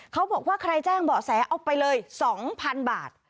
เขาบอกว่าใครแจ้งเบาะแสเอาไปเลย๒๐๐๐บาท